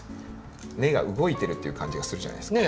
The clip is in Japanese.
根が動いてるっていう感じがするじゃないですか。